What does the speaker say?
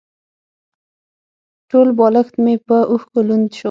ټول بالښت مې په اوښکو لوند شو.